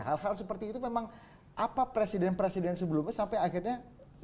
hal hal seperti itu memang apa presiden presiden sebelumnya sampai akhirnya mungkin kita baca menteri agama